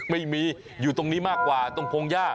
ไม่มีอยู่ตรงนี้มากกว่าตรงพงหญ้า